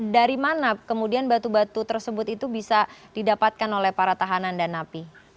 dari mana kemudian batu batu tersebut itu bisa didapatkan oleh para tahanan dan napi